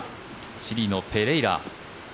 チリのペレイラ。